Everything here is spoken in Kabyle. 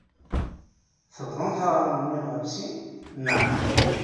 Tebḍamt aɣrum-nni ɣef sin, naɣ?